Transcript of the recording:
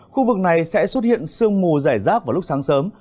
khu vực này sẽ xuất hiện sương mù rải rác vào lúc sáng sớm